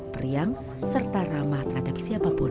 periang serta ramah terhadap siapapun